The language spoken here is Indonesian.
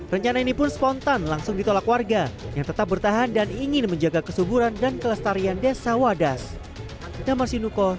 rencana ini pun spontan langsung ditolak warga yang tetap bertahan dan ingin menjaga kesuburan dan kelestarian desa wadas